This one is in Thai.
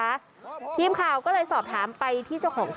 หลังมาทีนี้คนขี่วินมอเตอร์ไซด์เขาลืมเปิดไฟเลี้ยว